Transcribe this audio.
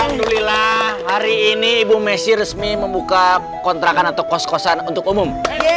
alhamdulillah hari ini ibu messi resmi membuka kontrakan atau kos kosan untuk umum